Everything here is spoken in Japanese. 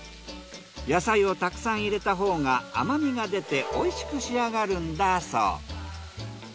野菜をたくさん入れたほうが甘みが出ておいしく仕上がるんだそう。